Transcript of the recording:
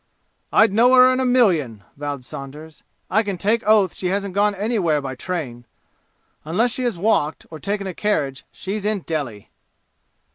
"I'd know her in a million!" vowed Saunders. "I can take oath she hasn't gone anywhere by train! Unless she has walked, or taken a carriage, she's in Delhi!"